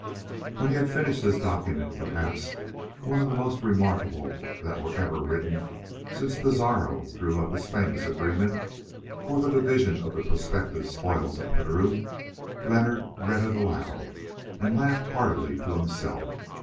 When he had finished this document, perhaps one of the most remarkable that were ever written since Pizarro drew up his famous agreement for the division of the prospective spoils of Peru, Leonard read it aloud and laughed heartily to himself.